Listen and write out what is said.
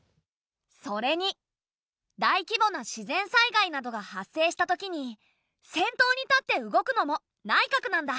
それに大規模な自然災害などが発生したときに先頭に立って動くのも内閣なんだ。